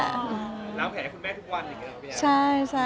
ล้างแผลคุณแม่ทุกวันเลยค่ะใช่ค่ะ